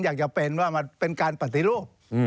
อยากจะเป็นว่ามันเป็นการปฏิรูป